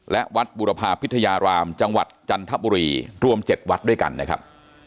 และวัดบุรพาพิทยารามจังหวัดจันทบุรีรวม๗วัดด้วยกันนะครับ